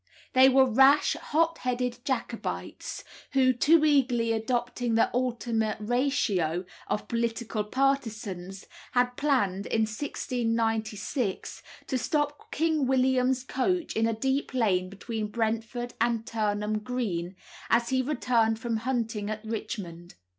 They were rash, hot headed Jacobites, who, too eagerly adopting the "ultima ratio" of political partisans, had planned, in 1696, to stop King William's coach in a deep lane between Brentford and Turnham Green, as he returned from hunting at Richmond.